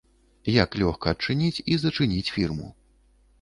Як лёгка адчыніць і зачыніць фірму.